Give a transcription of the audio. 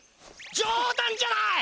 じょうだんじゃない！